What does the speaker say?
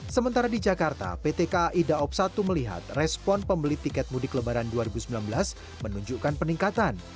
sementara di jakarta pt kai daob satu melihat respon pembeli tiket mudik lebaran dua ribu sembilan belas menunjukkan peningkatan